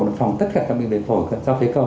nó phòng tất cả các bệnh viện phổ do phế cầu